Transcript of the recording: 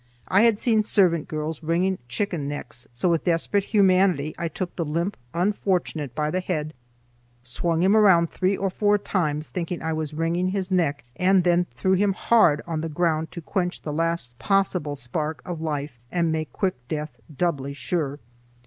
I had seen servant girls wringing chicken necks, so with desperate humanity I took the limp unfortunate by the head, swung him around three or four times thinking I was wringing his neck, and then threw him hard on the ground to quench the last possible spark of life and make quick death doubly sure.